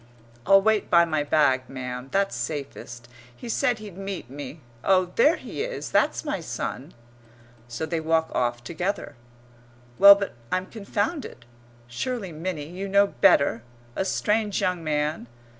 "I'll wait by my bag, ma'am, that's safest. He said he'd meet me.... Oh, there he is! That's my son." So they walk off together. Well, but I'm confounded.... Surely, Minnie, you know better! A strange young man....